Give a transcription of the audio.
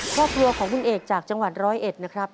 ครอบครัวของคุณเอกจากจังหวัดร้อยเอ็ดนะครับ